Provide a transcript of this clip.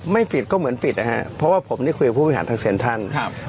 ไม่ปิดก็เหมือนปิดนะครับเพราะว่าผมนี้คุยกับผู้พิหารทางเศรษฐาน